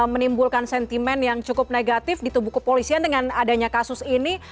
menimbulkan sentimen yang cukup negatif di tubuh kepolisian dengan adanya kasus ini